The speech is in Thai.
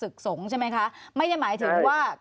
สงฆ์ใช่ไหมคะไม่ได้หมายถึงว่า